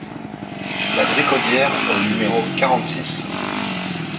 La Bricaudière au numéro quarante-six